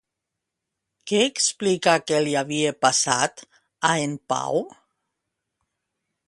Què explica que li havia passat, a en Pau?